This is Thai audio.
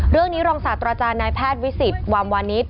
เรื่องนี้รองศาสตร์ตัวอาจารย์นายแพทย์วิสิตวามวานิต